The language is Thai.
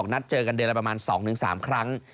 นัดเจอกันเดือนละประมาณ๒๓ครั้ง